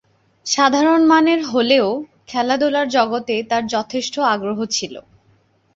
সাধারণমানের হলেও খেলাধূলার জগতে তার যথেষ্ট আগ্রহ ছিল।